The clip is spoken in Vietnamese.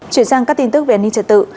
chuyển sang các tin tức về an ninh trật tự